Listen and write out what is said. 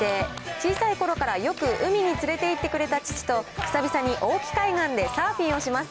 小さいころからよく海に連れて行ってくれた父と、久々に大岐海岸でサーフィンをします。